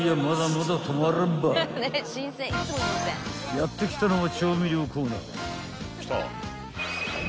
［やって来たのは］